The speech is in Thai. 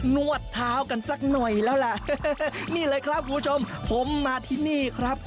นวดเท้ากันสักหน่อยแล้วล่ะนี่เลยครับคุณผู้ชมผมมาที่นี่ครับ